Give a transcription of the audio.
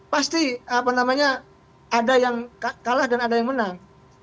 pasti apa namanya ada yang kalah dan ada yang menang